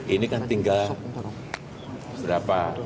ini kan tinggal berapa